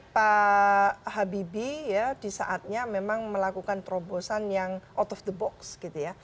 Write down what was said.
pak habibie ya di saatnya memang melakukan terobosan yang out of the box gitu ya